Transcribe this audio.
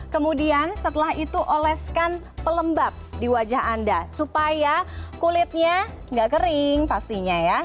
kemudian setelah itu oleskan pelembab di wajah anda supaya kulitnya nggak kering pastinya ya